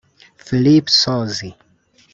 Philip Ssozi